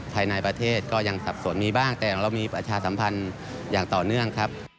ภายในประเทศก็ยังสับสนมีบ้างแต่เรามีประชาสัมพันธ์อย่างต่อเนื่องครับ